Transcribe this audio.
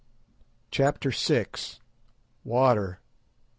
CHAPTER VI. WATER!